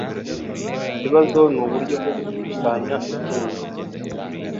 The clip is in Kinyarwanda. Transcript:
Ikibazo nuburyo bwo gukusanya inkunga.